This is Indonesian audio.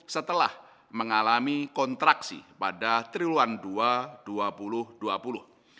setelah mengalami kontraksi pada triluan ii dua ribu dua puluh